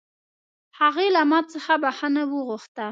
هغې له ما څخه بښنه وغوښته